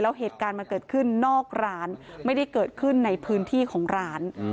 แล้วเหตุการณ์มันเกิดขึ้นนอกร้านไม่ได้เกิดขึ้นในพื้นที่ของร้าน